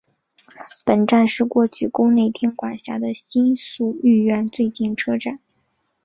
本站是过去宫内厅管辖的新宿御苑最近车站。